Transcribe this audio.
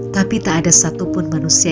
tapi tak ada satupun manusia yang bisa